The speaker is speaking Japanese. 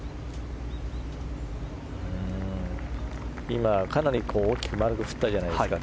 今、かなり大きく振ったじゃないですか。